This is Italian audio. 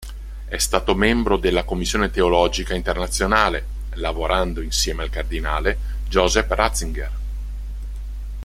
È stato membro della Commissione Teologica Internazionale, lavorando insieme al cardinale Joseph Ratzinger.